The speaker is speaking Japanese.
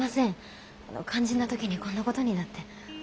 肝心な時にこんなことになって。